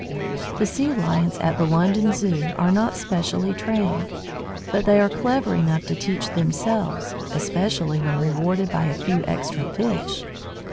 The Sea lions at the London "Zoo" are not specially trained. But they are clever enough to teach themselves, especially when rewarded by a few extra fish.